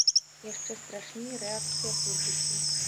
Яшчэ страшней рэакцыя публікі.